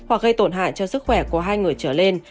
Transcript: hoặc gây tổn hại cho sức khỏe của hai người trở lên